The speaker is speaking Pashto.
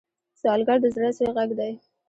سوالګر د زړه سوې غږ دی